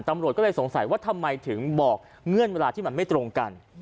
ตำรวจก็เลยสงสัยว่าทำไมถึงบอกเงื่อนเวลาที่มันไม่ตรงกัน